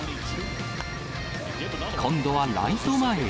今度はライト前へ。